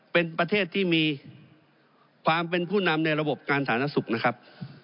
เป็นประเทศที่มีความเป็นผู้นำในระบบการสาธารณสุขนะครับ